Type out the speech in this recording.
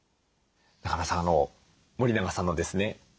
中山さん森永さんのですね